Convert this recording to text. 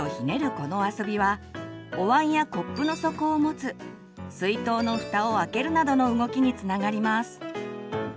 この遊びはおわんやコップの底を持つ水筒のふたを開けるなどの動きにつながります。